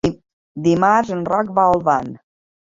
Dimarts en Roc va a Olvan.